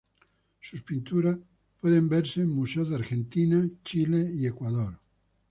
Sus pinturas pueden verse en museos de Argentina, Chile y Ecuador.